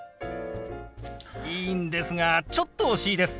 いいんですがちょっと惜しいです。